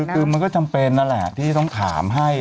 คือมันก็จำเป็นนั่นแหละที่ต้องถามให้